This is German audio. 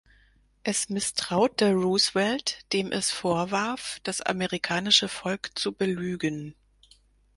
Es misstraute Roosevelt, dem es vorwarf, das amerikanische Volk zu belügen.